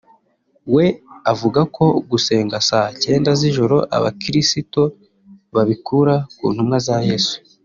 we avuga ko gusenga saa cyenda z’ijoro abakirisito babikura ku ntumwa za Yesu